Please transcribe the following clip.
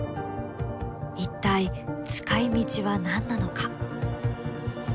一体使いみちは何なのか？